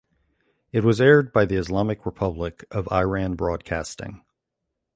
It was aired by the Islamic Republic of Iran Broadcasting.